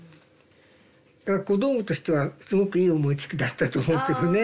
だから小道具としてはすごくいい思いつきだったと思うけどね。